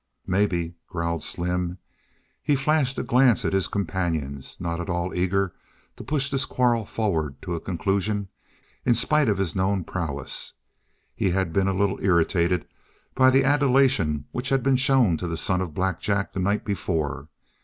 "Maybe," growled Slim. He flashed a glance at his companions, not at all eager to push this quarrel forward to a conclusion in spite of his known prowess. He had been a little irritated by the adulation which had been shown to the son of Black Jack the night before.